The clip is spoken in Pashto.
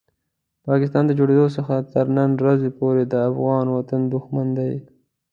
پاکستان د جوړېدو څخه تر نن ورځې پورې د افغان وطن دښمن دی.